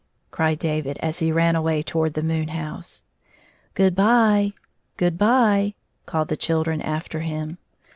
" cried David, as he ran away toward the moon house. " Good by ! Good by !" called the children after him.